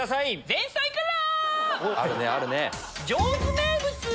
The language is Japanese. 前菜から！